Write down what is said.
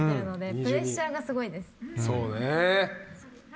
そうね。